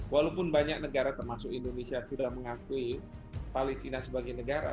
walaupun banyak negara termasuk indonesia sudah mengakui palestina sebagai negara